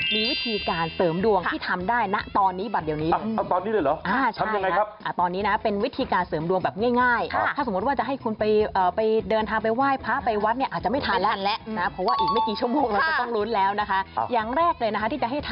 มีวิธีการเสริมดวงที่ทำได้นะตอนนี้บัตรเดี๋ยวนี้เลยเหรอ